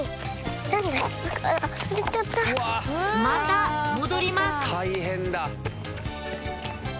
また戻ります